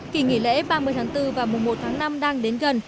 kỳ nghỉ lễ ba mươi tháng bốn và mùa một tháng năm đang đến gần